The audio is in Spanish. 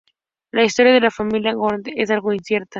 La historia de la familia Guarneri es algo incierta.